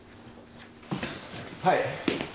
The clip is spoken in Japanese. はい。